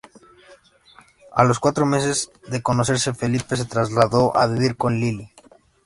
A los cuatro meses de conocerse, Felice se trasladó a vivir con Lilly.